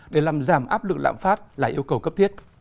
để làm giảm áp lực lạm phát là yêu cầu cấp thiết